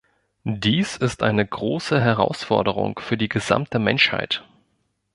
Dies ist eine große Herausforderung für die gesamte Menschheit.